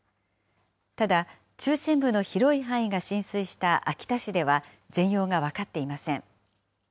ただ、中心部の広い範囲が浸水した秋田市では、全容が分かっていません。